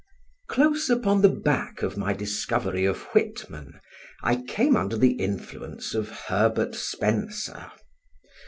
Close upon the back of my discovery of Whitman, I came under the influence of Herbert Spencer.